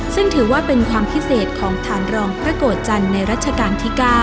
ซึ่งถือว่าเป็นความพิเศษของฐานรองพระโกรธจันทร์ในรัชกาลที่๙